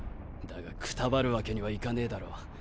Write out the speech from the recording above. だがくたばるわけにはいかねぇだろ。